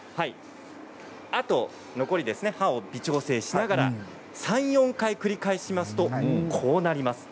あと、残り刃を微調整しながら３、４回繰り返しますとこうなります。